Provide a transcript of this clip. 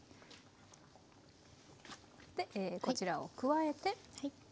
こちらを加えて。